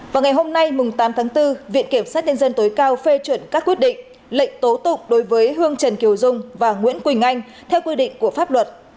vào ngày hôm nay tám tháng bốn viện kiểm sát nhân dân tối cao phê chuẩn các quyết định lệnh tố tụng đối với hương trần kiều dung và nguyễn quỳnh anh theo quy định của pháp luật